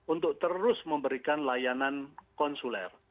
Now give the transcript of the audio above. untuk terus memberikan layanan konsuler